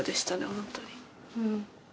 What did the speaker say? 本当に。